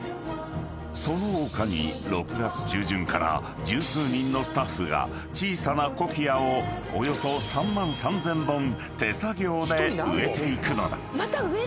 ［その丘に６月中旬から十数人のスタッフが小さなコキアをおよそ３万３，０００本手作業で植えていくのだ］